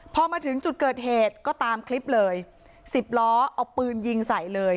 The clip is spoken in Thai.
พอมาถึงจุดเกิดเหตุก็ตามคลิปเลยสิบล้อเอาปืนยิงใส่เลย